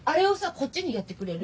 こっちにやってくれる？